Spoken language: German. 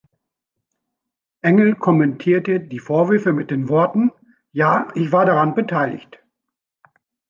Engel kommentierte die Vorwürfe mit den Worten: „Ja, ich war daran beteiligt.